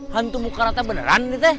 hantu mukarata beneran nih teh